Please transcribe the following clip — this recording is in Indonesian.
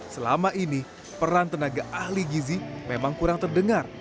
selama ini peran tenaga ahli gizi memang kurang terdengar